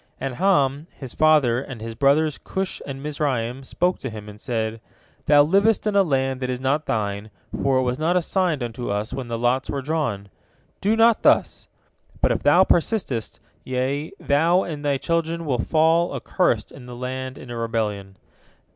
And Ham, his father, and his brothers Cush and Mizraim spoke to him, and said: "Thou livest in a land that is not thine, for it was not assigned unto us when the lots were drawn. Do not thus! But if thou persistest, ye, thou and thy children, will fall, accursed, in the land, in a rebellion.